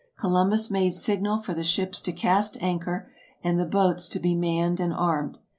Columbus made signal for the ships to cast anchor, and the boats to be manned and armed.